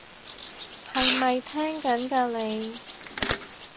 係咪聽緊㗎你？